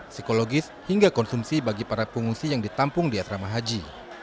psikologis hingga konsumsi bagi para pengungsi yang ditampung di asrama haji